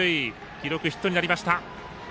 記録ヒットになりました。